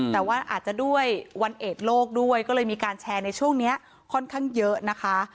แต่ว่าอาจจะด้วยวันเอดโลกด้วยก็เลยมีการแชร์ในช่วงนี้ค่อนข้างเยอะนะคะ